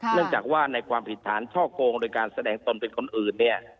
เนื่องจากว่าในความผิดฐานช่อโกงโดยการแสดงตนเป็นคนอื่นเนี่ย